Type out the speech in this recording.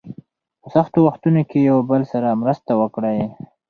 په سختو وختونو کې یو بل سره مرسته وکړئ.